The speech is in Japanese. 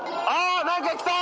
何かきた。